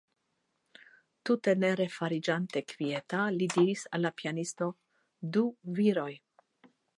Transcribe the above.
Tute ne refariĝante kvieta, li diris al la pianisto: Du viroj!